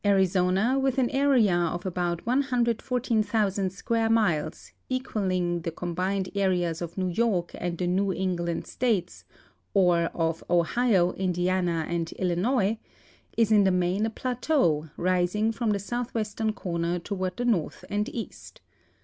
206 THE FORESTS AND DESERTS OF ARIZONA Arizona, with an area of about 114,000 square miles, equaling the combined areas of New York and the New England states, or of Ohio, Indiana, and Illinois, is in the main a plateau rising from the southwestern corner toward the north and east.